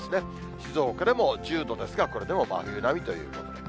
静岡でも１０度ですが、これでも真冬並みということで。